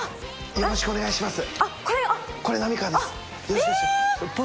よろしくお願いします。